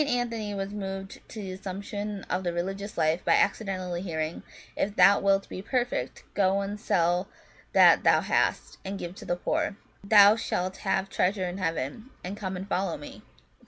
Anthony was moved to the assumption of the religious life by accidentally hearing —" If thou wilt be perfect, go and sell that thou hast, and give to the poor, and thou shalt have treasure in heaven : and come and follow me " (St. Matt xix.